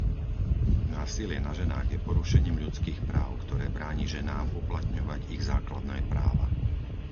Násilie na ženách je porušením ľudských práv, ktoré bráni ženám uplatňovať ich základné práva.